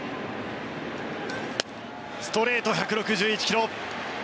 ストレート、１６１ｋｍ。